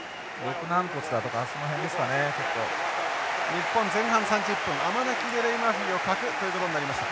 日本前半３０分アマナキレレイマフィを欠くということになりました。